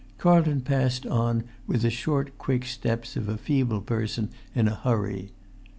Carlton passed on with the short, quick steps of a feeble person in a hurry.